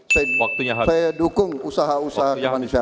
saya dukung usaha usaha kemanusiaan